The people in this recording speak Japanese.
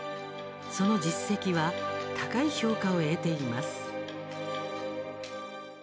その実績は高い評価を得ています。